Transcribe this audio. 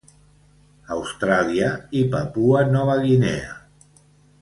Austràlia i Papua Nova Guinea.